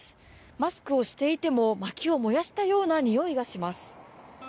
マスクをしていてもまきを燃やしたような臭いがします。